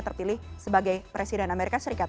terpilih sebagai presiden amerika serikat